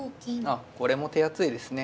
あこれも手厚いですね。